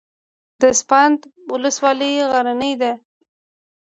د پسابند ولسوالۍ غرنۍ ده